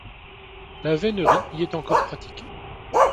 La vénerie y est encore pratiquée.